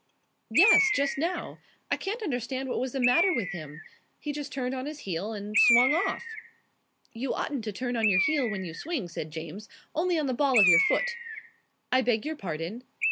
"Yes. Just now. I can't understand what was the matter with him. He just turned on his heel and swung off." "You oughtn't to turn on your heel when you swing," said James; "only on the ball of the foot." "I beg your pardon?"